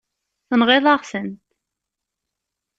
Tenɣiḍ-aɣ-tent.